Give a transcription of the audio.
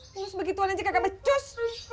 harus begituan aja kakak becus